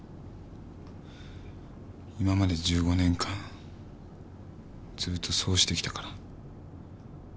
今まで１５年間ずーっとそうしてきたから。